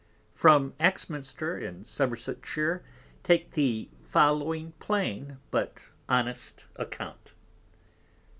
From Axminster in Somersetshire _take the following plain, but honest Account.